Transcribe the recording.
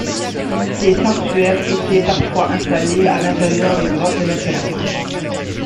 Ces sanctuaires étaient parfois installés à l'intérieur de grottes naturelles.